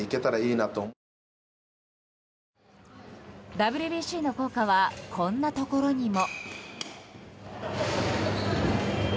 ＷＢＣの効果はこんなところにも。